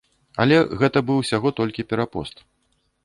Але гэта быў усяго толькі перапост.